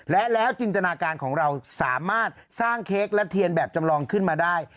และแล้วจินตนาการของเราสามารถสร้างเค้กและเทียนแบบจำลองขึ้นมาได้